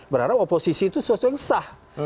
berharap oposisi itu sesuatu yang sah